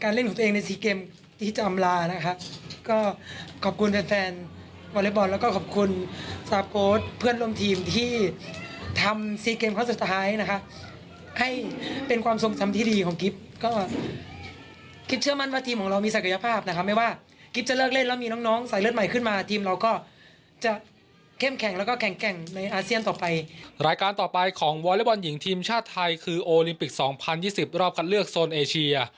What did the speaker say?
รายการต่อไปของวอลเลอร์บอลหญิงทีมชาติไทยคือโอลิมปิก๒๐๒๐รอบการเลือกโซนเอเชีย